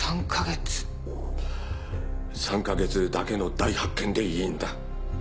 ３か月だけの大発見でいいんだ。